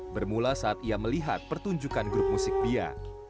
bermula saat ia melihat pertunjukan grup musik bia